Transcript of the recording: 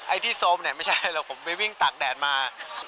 ไอ้ที่โซมเนี่ยไม่ใช่หรอกผมไปวิ่งตากแดดมา